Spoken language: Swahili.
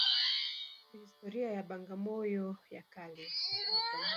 Uhakika kuhusu historia ya Bagamoyo ya kale